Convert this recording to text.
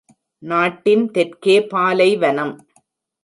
நாட்டின் தெற்கே பாலைவனம்.